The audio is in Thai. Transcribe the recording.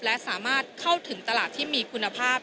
และสามารถเข้าถึงตลาดที่มีคุณภาพ